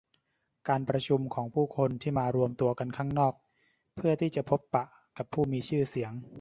การชุมนุมของผู้คนที่มารวมตัวกันข้างนอกเพื่อที่จะพบปะกับผู้มีชื่อเสียง